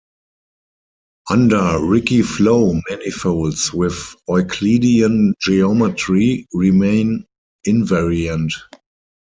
Under Ricci flow manifolds with Euclidean geometry remain invariant.